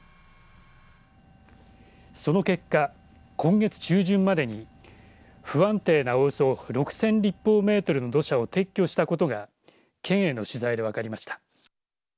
その結果今月中旬までに不安定なおよそ６０００立方メートルの土砂を撤去したことが県への取材で分かりました。